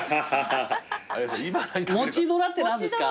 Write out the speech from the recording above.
モチドラって何ですか？